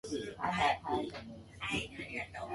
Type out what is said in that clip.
今日は足が臭いな